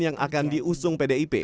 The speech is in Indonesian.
yang akan diusung